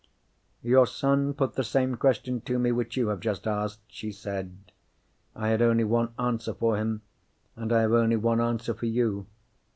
"Your son put the same question to me which you have just asked," she said. "I had only one answer for him, and I have only one answer for you.